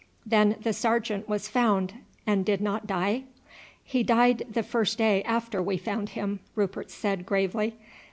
"Then the sergeant was found, and did not die?" "He died the first day after we found him," Rupert said gravely.